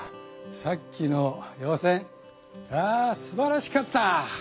さっきの予選あすばらしかった！